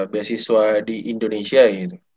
beasiswa di indonesia gitu